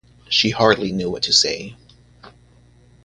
She hardly knew what to say.